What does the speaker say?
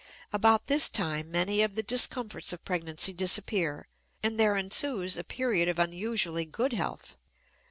About this time many of the discomforts of pregnancy disappear and there ensues a period of unusually good health.